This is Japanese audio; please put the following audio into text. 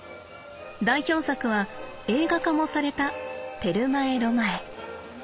代表作は映画化もされた「テルマエ・ロマエ」。